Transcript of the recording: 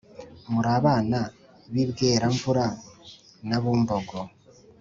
muri abana b’i bweramvura na bumbogo